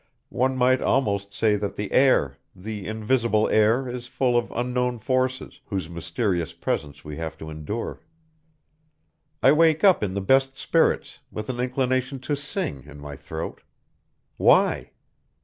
One might almost say that the air, the invisible air is full of unknowable Forces, whose mysterious presence we have to endure. I wake up in the best spirits, with an inclination to sing in my throat. Why?